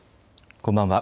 こんばんは。